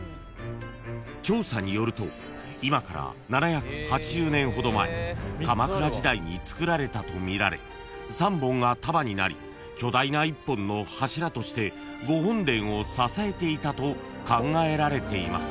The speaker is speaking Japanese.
［調査によると今から７８０年ほど前鎌倉時代につくられたとみられ３本が束になり巨大な１本の柱としてご本殿を支えていたと考えられています］